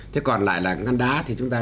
thế còn lại là ngăn đá thì chúng ta